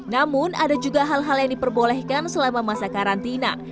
namun ada juga hal hal yang diperbolehkan selama masa karantina